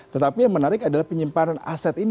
tetapi yang menarik adalah penyimpanan aset ini